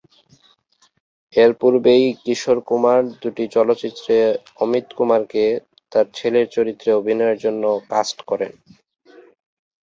এর পূর্বেই কিশোর কুমার দুটি চলচ্চিত্রে অমিত কুমারকে তার ছেলের চরিত্রে অভিনয়ের জন্য কাস্ট করেন।